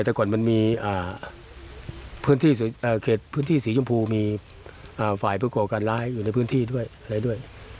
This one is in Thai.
แต่ก่อนมันมีพื้นที่สีชมพูมีฝ่ายภูเขาการร้ายอยู่ในพื้นที่ด้วย